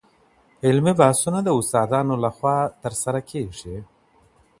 علمي بحثونه د استادانو لخوا ترسره کېږي.